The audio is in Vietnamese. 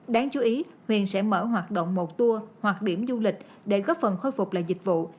đáng chú ý huyện sẽ mở hoạt động một tour hoặc điểm du lịch để góp phần khôi phục lại dịch vụ